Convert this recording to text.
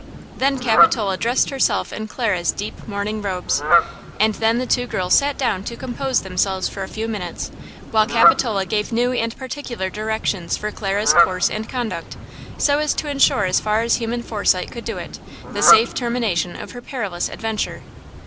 Then Capitola dressed herself in Clara's deep mourning robes. And then the two girls sat down to compose themselves for a few minutes, while Capitola gave new and particular directions for Clara's course and conduct, so as to insure as far as human foresight could do it, the safe termination of her perilous adventure.